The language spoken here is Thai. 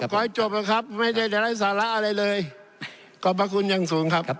ขอให้จบนะครับไม่ได้จะไร้สาระอะไรเลยขอบพระคุณอย่างสูงครับ